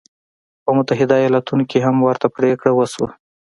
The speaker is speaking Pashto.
په متحده ایالتونو کې هم ورته پرېکړه وشوه.